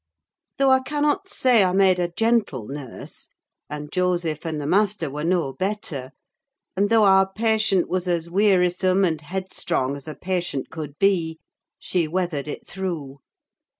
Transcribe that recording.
Though I cannot say I made a gentle nurse, and Joseph and the master were no better, and though our patient was as wearisome and headstrong as a patient could be, she weathered it through.